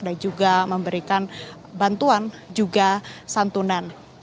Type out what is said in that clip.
dan juga memberikan bantuan juga santunan